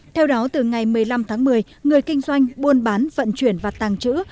theo đó từ ngày một mươi năm tháng một mươi người kinh doanh buôn bán vận chuyển và tàng trữ